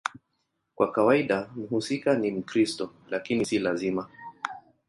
Kwa kawaida mhusika ni Mkristo, lakini si lazima.